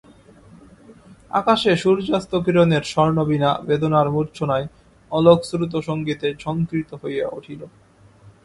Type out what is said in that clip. আকাশে সূর্যাস্তকিরণের স্বর্ণবীণা বেদনার মূর্ছনায় অলোকশ্রুত সংগীতে ঝংকৃত হইয়া উঠিল।